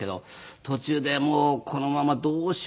途中でもうこのままどうしようかな？